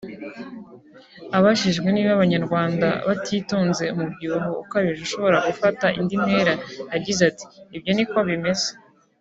Abajijwe niba abanyarwanda batitonze umubyibuho ukabije ushobora gufata indi ntera yagize ati “ Ibyo niko bimeze